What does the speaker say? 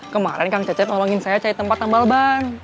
kemarin kang cecep tolongin saya cari tempat tambal ban